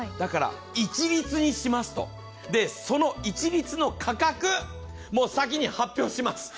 一律にします、その一律の価格、もう先に発表します。